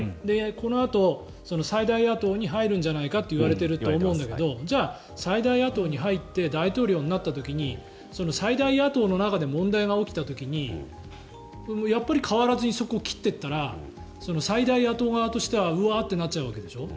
このあと最大野党に入るんじゃないかといわれていると思うんだけどじゃあ、最大野党に入って大統領になった時に最大野党の中で問題が起きた時にやっぱり変わらずにそこを切っていったら最大野党側としてはうわってなっちゃうわけでしょ。